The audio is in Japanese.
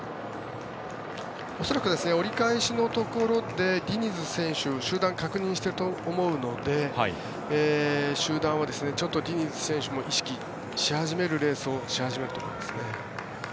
恐らく折り返しのところでディニズ選手集団を確認していると思うので集団はちょっとディニズ選手も意識し始めるレースを始めると思いますね。